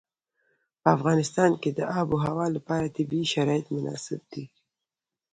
په افغانستان کې د آب وهوا لپاره طبیعي شرایط مناسب دي.